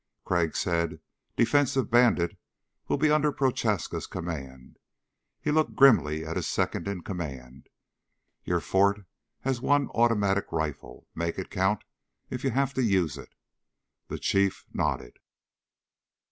Crag said, "Defense of Bandit will be under Prochaska's command." He looked grimly at his second in command. "Your fort has one automatic rifle. Make it count if you have to use it." The Chief nodded.